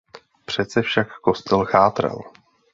Přece však kostel chátral.